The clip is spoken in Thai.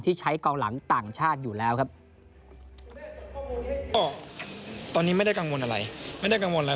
ที่ใช้กองหลังต่างชาติอยู่แล้วครับตอนนี้ไม่ได้กังวลอะไร